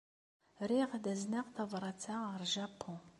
Riɣ ad azneɣ tabṛat-a ɣer Japun.